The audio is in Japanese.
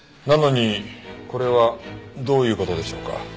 なのにこれはどういう事でしょうか？